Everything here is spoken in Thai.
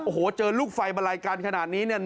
โอ้โหเจอลูกไฟมาลัยกันขนาดนี้เนี่ย